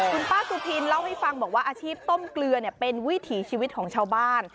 คุณป้าสุธินเล่าให้ฟังบอกว่าอาชีพต้มเกลือเป็นวิถีชีวิตของชาวบ้าน